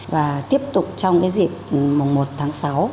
và tiếp tục trong cái dịp mùng một tháng sáu